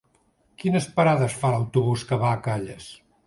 Quines parades fa l'autobús que va a Calles?